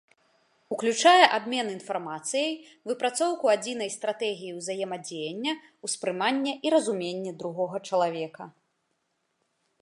Уключае абмен інфармацыяй, выпрацоўку адзінай стратэгіі ўзаемадзеяння, успрыманне і разуменне другога чалавека.